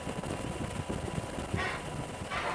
hizi hazina maana kama Jiji la Milele yenyewe